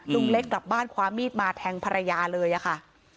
ลุงเล็กกลับบ้านคว้ามีดมาแทงภรรยาเลยอะค่ะ